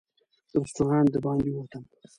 له رسټورانټ د باندې ووتم.